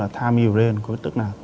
time is rain tức là